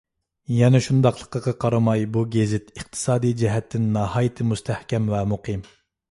يەنە شۇنداقلىقىغا قارىماي، بۇ گېزىت ئىقتىسادىي جەھەتتىن ناھايىتى مۇستەھكەم ۋە مۇقىم.